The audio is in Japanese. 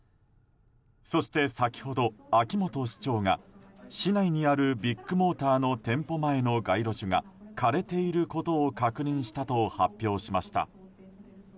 そして先ほど、秋元市長が市内にあるビッグモーターの店舗前の街路樹が枯れていることを確認したと発表しました。